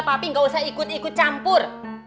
papi nggak usah ikut ikut campur